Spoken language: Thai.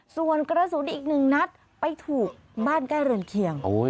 ส่วนกระสุนอีกหนึ่งนัดไปถูกบ้านใกล้เรือนเคียง